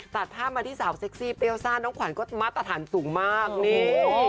ตัดภาพมาที่สาวเซ็กซี่เปรี้ยวซ่าน้องขวัญก็มาตรฐานสูงมากนี่